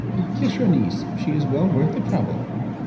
Kiss your niece. She is well worth the trouble.